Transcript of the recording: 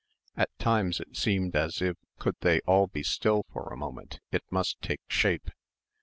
At times it seemed as if could they all be still for a moment it must take shape.